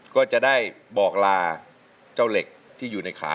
ก็จะได้บอกลาเจ้าเหล็กที่อยู่ในแนวเวียด